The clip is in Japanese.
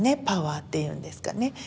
パワーっていうんですかね